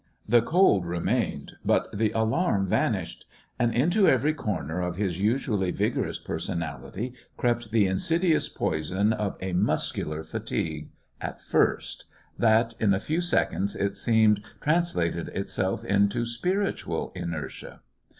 The cold remained, but the alarm vanished. And into every corner of his usually vigorous personality crept the insidious poison of a muscular fatigue at first that in a few seconds, it seemed, translated itself into spiritual inertia.